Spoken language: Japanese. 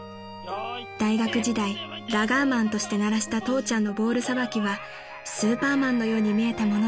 ［大学時代ラガーマンとして鳴らした父ちゃんのボールさばきはスーパーマンのように見えたものです］